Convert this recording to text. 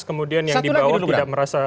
kemudian yang di bawah tidak merasa